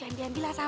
bebek melihat l